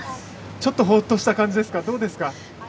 ちょっとほっとした感じですか。